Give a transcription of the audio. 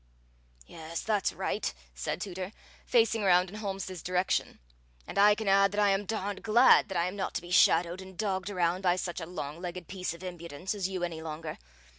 "Yes, that's right," said Tooter, facing around in Holmes's direction; "and I can add that I am darned glad that I am not to be shadowed and dogged around by such a long legged piece of impudence as you any longer.